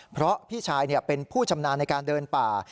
เพราะพี่ชายเป็นผู้ชำนาญในการเดินป่า